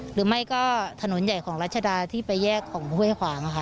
หรือไม่ก็ถนนใหญ่ของรัชดาที่ไปแยกของห้วยขวางค่ะ